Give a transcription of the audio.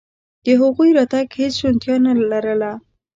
د هغوی راتګ هېڅ شونتیا نه لرله.